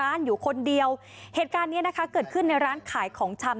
อยู่คนเดียวเหตุการณ์เนี้ยนะคะเกิดขึ้นในร้านขายของชำ